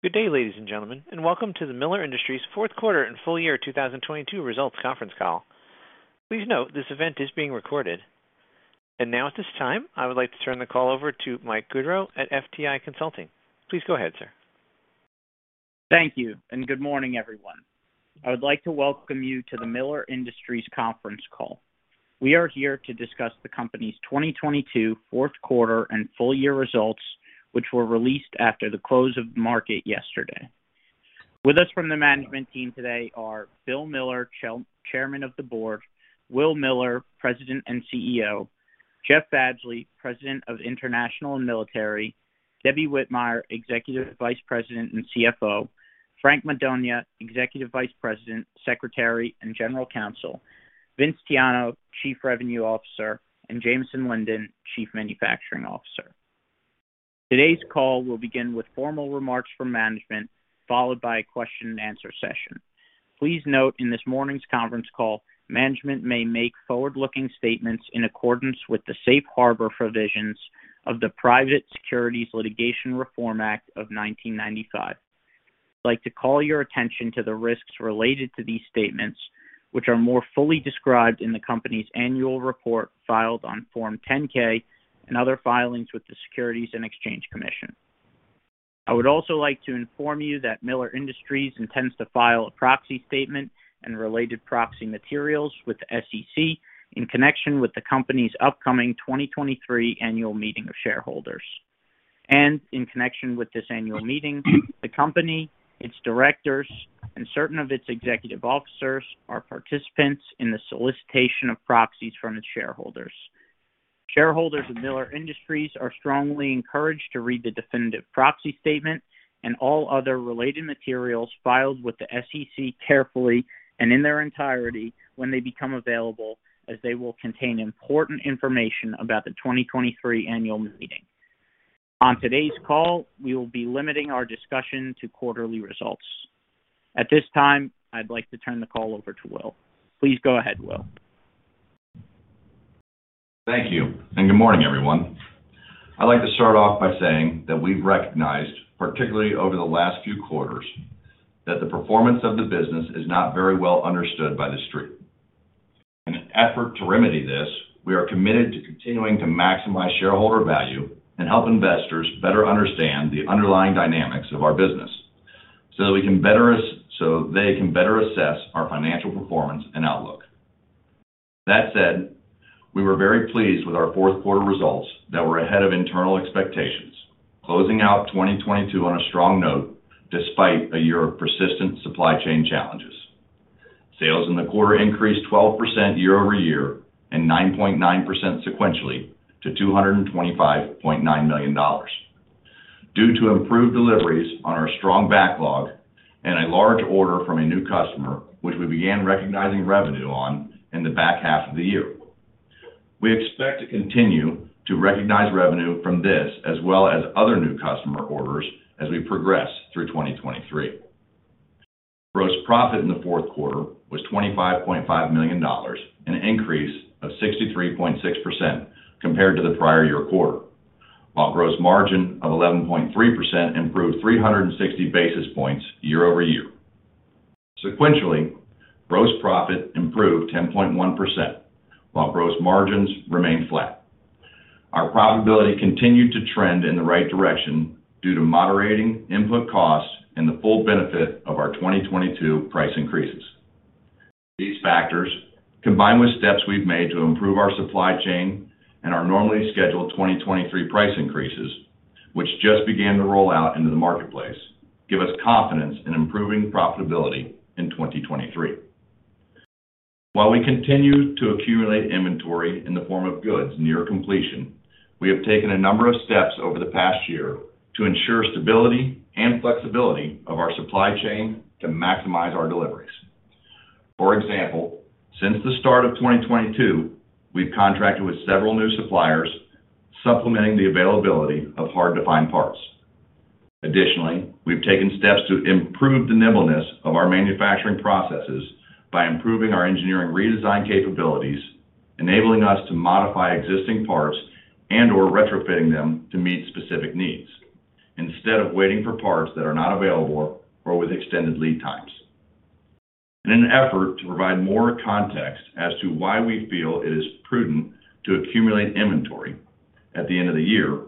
Good day, ladies and gentlemen, and welcome to the Miller Industries Fourth Quarter and Full Year 2022 Results Conference Call. Please note this event is being recorded. Now at this time, I would like to turn the call over to Mike Gaudreau at FTI Consulting. Please go ahead, sir. Thank you. Good morning, everyone. I would like to welcome you to the Miller Industries conference call. We are here to discuss the company's 2022 fourth quarter and full year results, which were released after the close of market yesterday. With us from the management team today are Bill Miller, Chairman of the Board, Will Miller, President and CEO, Jeff Badgley, President of International and Military, Debbie Whitmire, Executive Vice President and CFO, Frank Madonia, Executive Vice President, Secretary, and General Counsel, Vince Tiano, Chief Revenue Officer, and Jamison Linden, Chief Manufacturing Officer. Today's call will begin with formal remarks from management, followed by a question-and-answer session. Please note in this morning's conference call, management may make forward-looking statements in accordance with the Safe Harbor provisions of the Private Securities Litigation Reform Act of 1995. I'd like to call your attention to the risks related to these statements, which are more fully described in the company's annual report filed on Form 10-K and other filings with the Securities and Exchange Commission. I would also like to inform you that Miller Industries intends to file a proxy statement and related proxy materials with the SEC in connection with the company's upcoming 2023 Annual Meeting of Shareholders. In connection with this annual meeting, the company, its directors, and certain of its executive officers are participants in the solicitation of proxies from its shareholders. Shareholders of Miller Industries are strongly encouraged to read the definitive proxy statement and all other related materials filed with the SEC carefully and in their entirety when they become available, as they will contain important information about the 2023 annual meeting. On today's call, we will be limiting our discussion to quarterly results. At this time, I'd like to turn the call over to Will. Please go ahead, Will. Thank you. Good morning, everyone. I'd like to start off by saying that we've recognized, particularly over the last few quarters, that the performance of the business is not very well understood by the Street. In an effort to remedy this, we are committed to continuing to maximize shareholder value and help investors better understand the underlying dynamics of our business so that they can better assess our financial performance and outlook. That said, we were very pleased with our fourth quarter results that were ahead of internal expectations, closing out 2022 on a strong note despite a year of persistent supply chain challenges. Sales in the quarter increased 12% year-over-year and 9.9% sequentially to $225.9 million due to improved deliveries on our strong backlog and a large order from a new customer which we began recognizing revenue on in the back half of the year. We expect to continue to recognize revenue from this as well as other new customer orders as we progress through 2023. Gross profit in the fourth quarter was $25.5 million, an increase of 63.6% compared to the prior year quarter, while gross margin of 11.3% improved 360 basis points year-over-year. Sequentially, gross profit improved 10.1%, while gross margins remained flat. Our profitability continued to trend in the right direction due to moderating input costs and the full benefit of our 2022 price increases. These factors, combined with steps we've made to improve our supply chain and our normally scheduled 2023 price increases, which just began to roll out into the marketplace, give us confidence in improving profitability in 2023. While we continue to accumulate inventory in the form of goods near completion, we have taken a number of steps over the past year to ensure stability and flexibility of our supply chain to maximize our deliveries. For example, since the start of 2022, we've contracted with several new suppliers, supplementing the availability of hard-to-find parts. Additionally, we've taken steps to improve the nimbleness of our manufacturing processes by improving our engineering redesign capabilities, enabling us to modify existing parts and/or retrofitting them to meet specific needs instead of waiting for parts that are not available or with extended lead times. In an effort to provide more context as to why we feel it is prudent to accumulate inventory at the end of the year,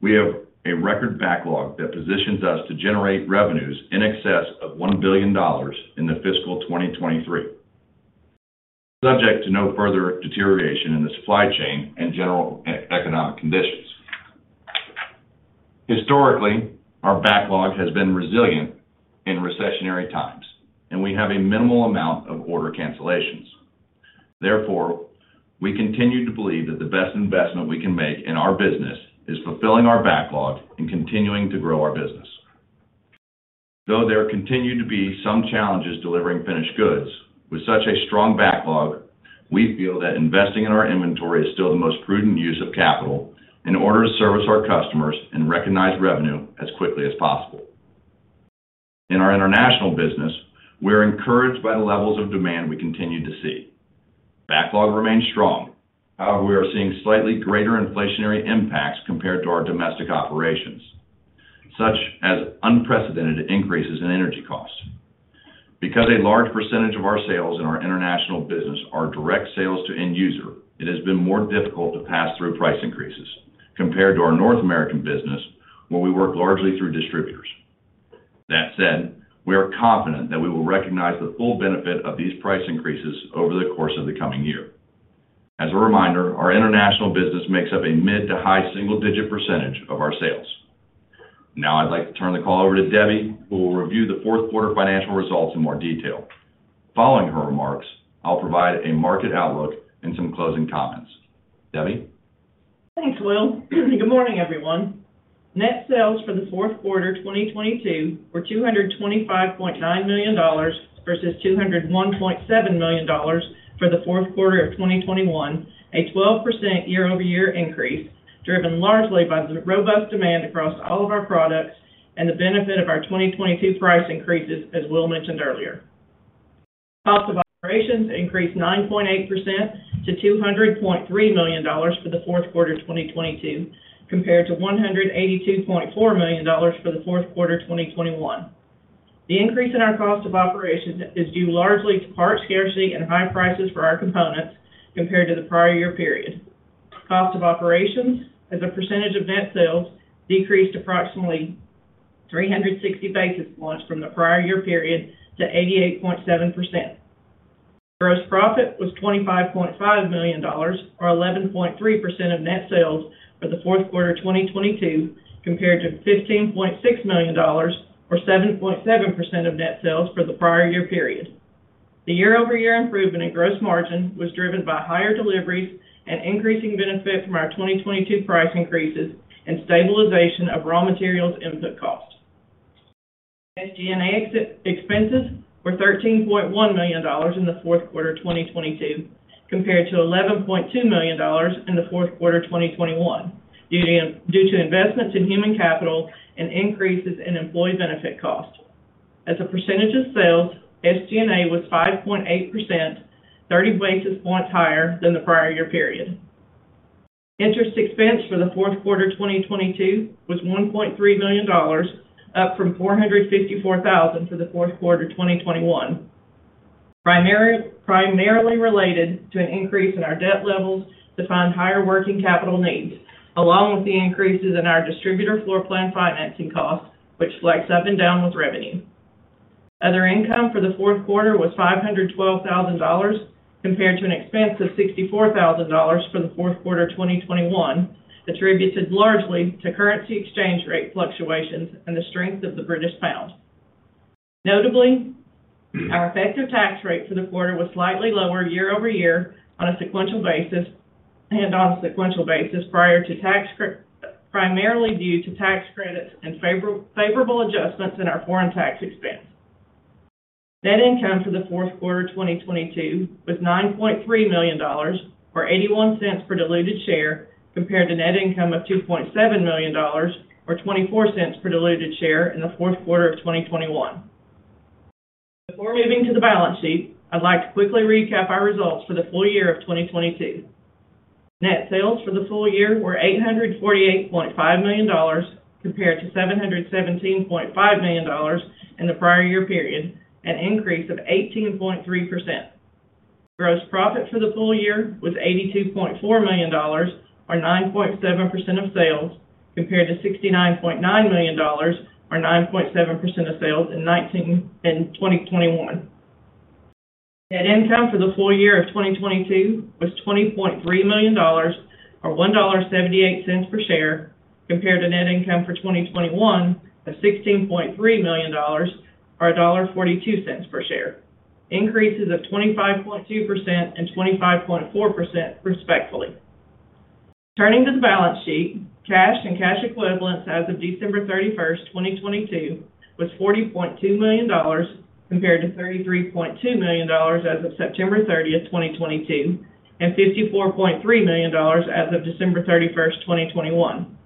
we have a record backlog that positions us to generate revenues in excess of $1 billion in the fiscal 2023, subject to no further deterioration in the supply chain and general economic conditions. Historically, our backlog has been resilient in recessionary times, and we have a minimal amount of order cancellations. Therefore, we continue to believe that the best investment we can make in our business is fulfilling our backlog and continuing to grow our business. Though there continue to be some challenges delivering finished goods, with such a strong backlog, we feel that investing in our inventory is still the most prudent use of capital in order to service our customers and recognize revenue as quickly as possible. In our international business, we are encouraged by the levels of demand we continue to see. Backlog remains strong. We are seeing slightly greater inflationary impacts compared to our domestic operations, such as unprecedented increases in energy costs. A large percentage of our sales in our international business are direct sales to end user, it has been more difficult to pass through price increases compared to our North American business where we work largely through distributors. We are confident that we will recognize the full benefit of these price increases over the course of the coming year. As a reminder, our international business makes up a mid to high single-digit percentage of our sales. I'd like to turn the call over to Debbie, who will review the fourth quarter financial results in more detail. Following her remarks, I'll provide a market outlook and some closing comments. Debbie? Thanks, Will. Good morning, everyone. Net sales for the fourth quarter 2022 were $225.9 million versus $201.7 million for the fourth quarter of 2021, a 12% year-over-year increase, driven largely by the robust demand across all of our products and the benefit of our 2022 price increases, as Will mentioned earlier. Cost of operations increased 9.8% to $200.3 million for the fourth quarter of 2022 compared to $182.4 million for the fourth quarter of 2021. The increase in our cost of operations is due largely to part scarcity and high prices for our components compared to the prior year period. Cost of operations as a percentage of net sales decreased approximately 360 basis points from the prior year period to 88.7%. Gross profit was $25.5 million, or 11.3% of net sales for the fourth quarter of 2022 compared to $15.6 million or 7.7% of net sales for the prior year period. The year-over-year improvement in gross margin was driven by higher deliveries and increasing benefit from our 2022 price increases and stabilization of raw materials input costs. SG&A expenses were $13.1 million in the fourth quarter of 2022 compared to $11.2 million in the fourth quarter of 2021 due to investments in human capital and increases in employee benefit costs. As a percentage of sales, SG&A was 5.8%, 30 basis points higher than the prior year period. Interest expense for the fourth quarter of 2022 was $1.3 million, up from $454,000 for the fourth quarter of 2021. Primarily related to an increase in our debt levels to fund higher working capital needs, along with the increases in our distributor floorplan financing costs, which flex up and down with revenue. Other income for the fourth quarter was $512,000 compared to an expense of $64,000 for the fourth quarter of 2021, attributed largely to currency exchange rate fluctuations and the strength of the British pound. Notably, our effective tax rate for the quarter was slightly lower year-over-year on a sequential basis prior to tax credits and favorable adjustments in our foreign tax expense. Net income for the fourth quarter of 2022 was $9.3 million, or $0.81 per diluted share, compared to net income of $2.7 million or $0.24 per diluted share in the fourth quarter of 2021. Before moving to the balance sheet, I'd like to quickly recap our results for the full year of 2022. Net sales for the full year were $848.5 million compared to $717.5 million in the prior year period, an increase of 18.3%. Gross profit for the full year was $82.4 million, or 9.7% of sales, compared to $69.9 million or 9.7% of sales in 2021. Net income for the full year of 2022 was $20.3 million, or $1.78 per share, compared to net income for 2021 of $16.3 million or $1.42 per share. Increases of 25.2% and 25.4%, respectfully. Turning to the balance sheet, cash and cash equivalents as of December 31st, 2022 was $40.2 million compared to $33.2 million as of September 30th, 2022, and $54.3 million as of December 31st, 2021.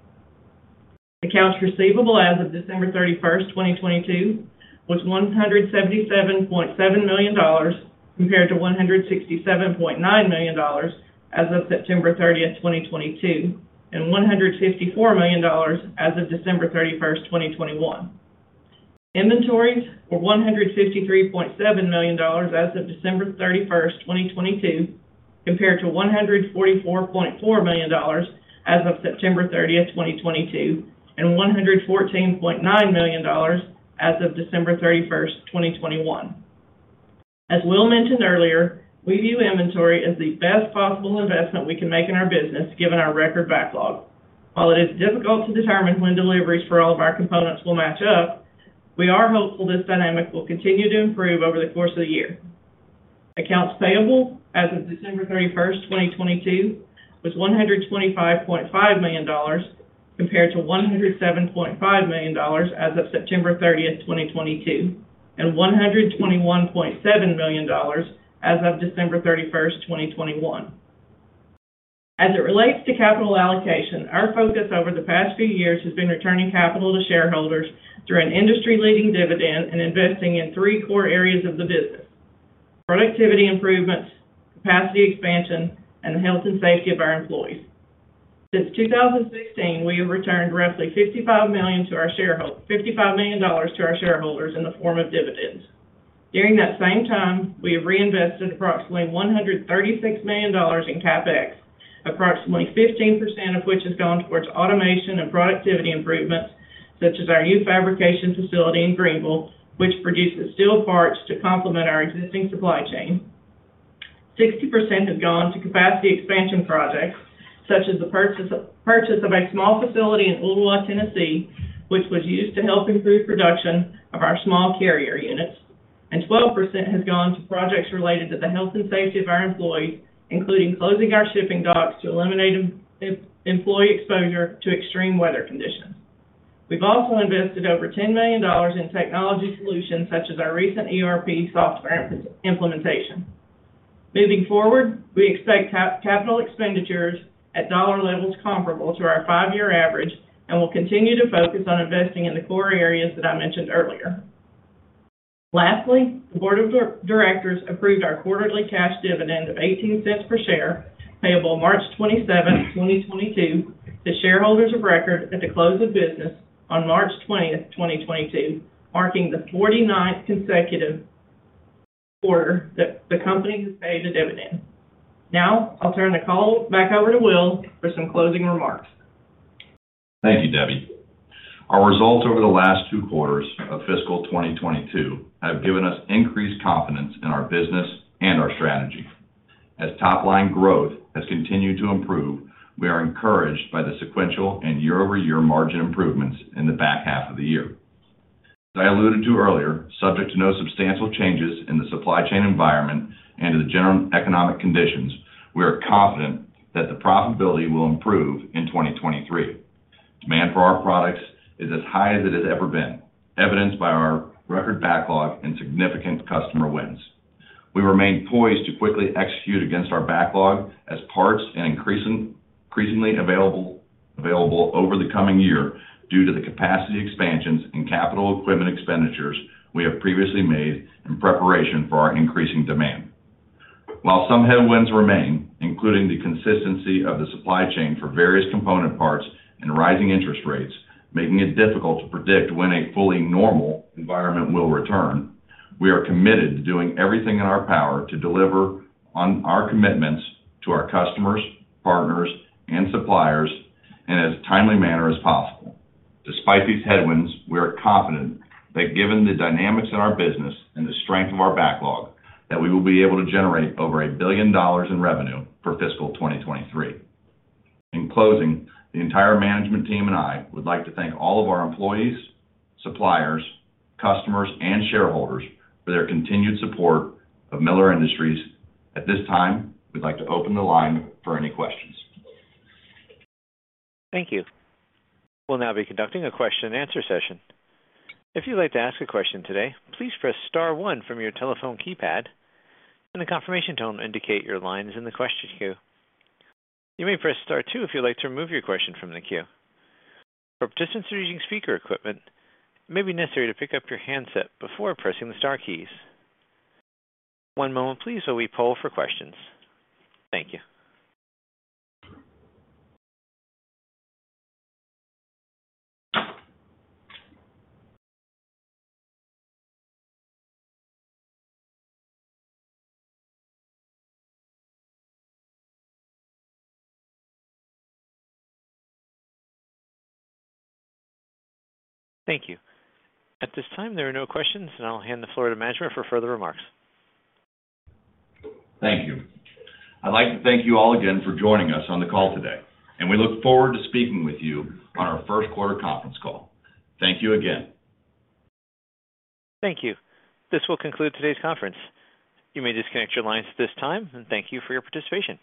Accounts receivable as of December 31st, 2022 was $177.7 million compared to $167.9 million as of September 30th, 2022, and $154 million as of December 31st, 2021. Inventories were $153.7 million as of December 31st, 2022 compared to $144.4 million as of September 30th, 2022, and $114.9 million as of December 31st, 2021. As Will mentioned earlier, we view inventory as the best possible investment we can make in our business, given our record backlog. While it is difficult to determine when deliveries for all of our components will match up, we are hopeful this dynamic will continue to improve over the course of the year. Accounts payable as of December 31st, 2022 was $125.5 million compared to $107.5 million as of September 30th, 2022, and $121.7 million as of December 31st, 2021. As it relates to capital allocation, our focus over the past few years has been returning capital to shareholders through an industry-leading dividend and investing in three core areas of the business: productivity improvements, capacity expansion, and the health and safety of our employees. Since 2016, we have returned roughly $55 million to our shareholders in the form of dividends. During that same time, we have reinvested approximately $136 million in CapEx, approximately 15% of which has gone towards automation and productivity improvements, such as our new fabrication facility in Greeneville, which produces steel parts to complement our existing supply chain. 60% have gone to capacity expansion projects, such as the purchase of a small facility in Ooltewah, Tennessee, which was used to help improve production of our small carrier units. Twelve percent has gone to projects related to the health and safety of our employees, including closing our shipping docks to eliminate employee exposure to extreme weather conditions. We've also invested over $10 million in technology solutions such as our recent ERP software implementation. Moving forward, we expect capital expenditures at dollar levels comparable to our five-year average and will continue to focus on investing in the core areas that I mentioned earlier. Lastly, the board of directors approved our quarterly cash dividend of $0.18 per share, payable March 27th, 2023, to shareholders of record at the close of business on March 20th, 2023, marking the 49th consecutive quarter that the company has paid a dividend. Now I'll turn the call back over to Will for some closing remarks. Thank you, Debbie. Our results over the last two quarters of fiscal 2022 have given us increased confidence in our business and our strategy. As top line growth has continued to improve, we are encouraged by the sequential and year-over-year margin improvements in the back half of the year. As I alluded to earlier, subject to no substantial changes in the supply chain environment and to the general economic conditions, we are confident that the profitability will improve in 2023. Demand for our products is as high as it has ever been, evidenced by our record backlog and significant customer wins. We remain poised to quickly execute against our backlog as parts and increasingly available over the coming year due to the capacity expansions and capital equipment expenditures we have previously made in preparation for our increasing demand. While some headwinds remain, including the consistency of the supply chain for various component parts and rising interest rates, making it difficult to predict when a fully normal environment will return, we are committed to doing everything in our power to deliver on our commitments to our customers, partners, and suppliers in as timely manner as possible. Despite these headwinds, we are confident that given the dynamics in our business and the strength of our backlog, that we will be able to generate over a billion US dollars in revenue for fiscal 2023. In closing, the entire management team and I would like to thank all of our employees, suppliers, customers, and shareholders for their continued support of Miller Industries. At this time, we'd like to open the line for any questions. Thank you. We'll now be conducting a question and answer session. If you'd like to ask a question today, please press star one from your telephone keypad, and a confirmation tone indicate your line is in the question queue. You may press star two if you'd like to remove your question from the queue. For participants who are using speaker equipment, it may be necessary to pick up your handset before pressing the star keys. One moment please while we poll for questions. Thank you. Thank you. At this time, there are no questions, and I'll hand the floor to management for further remarks. Thank you. I'd like to thank you all again for joining us on the call today. We look forward to speaking with you on our first quarter conference call. Thank you again. Thank you. This will conclude today's conference. You may disconnect your lines at this time, and thank you for your participation.